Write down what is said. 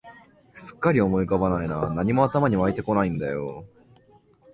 すっかり思い浮かばないな、何も頭に湧いてこないんだよ